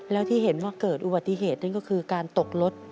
แล้วที่เห็นว่าเกิดอุบัติเหตุนั่นก็คือการตกรถ